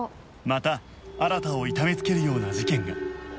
また新を痛め付けるような事件が